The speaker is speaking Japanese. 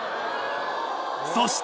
［そして］